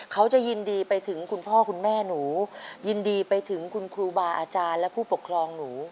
เขาจะยินดีไปถึงคุณพ่อคุณแม่หนูยินดีไปถึงคุณครูบาอาจารย์และผู้ปกครองหนู